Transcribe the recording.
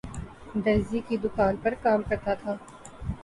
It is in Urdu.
درزی کی دکان پرکام کرتا تھا